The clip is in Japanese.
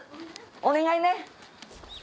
お願いね。